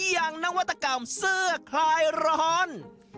นวัตกรรมเสื้อคลายร้อน